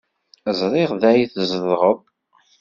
Ẓriɣ da ay tzedɣeḍ.